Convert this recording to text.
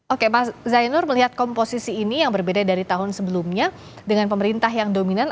oke mas zainur melihat komposisi ini yang berbeda dari tahun sebelumnya dengan pemerintah yang dominan